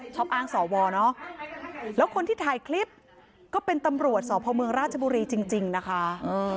ชอบอ้างสวเนอะแล้วคนที่ถ่ายคลิปก็เป็นตำรวจสพเมืองราชบุรีจริงนะคะ